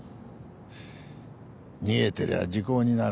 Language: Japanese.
逃げてりゃ時効になる。